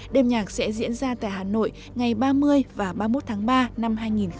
đêm nhạc sẽ diễn ra tại hà nội ngày ba mươi và ba mươi một tháng ba năm hai nghìn hai mươi